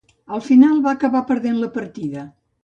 Al final, va acabar perdent la partida.